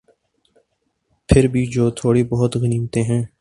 پھر بھی جو تھوڑی بہت غنیمتیں ہیں۔